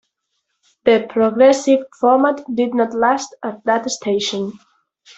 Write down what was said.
The progressive format did not last at that station.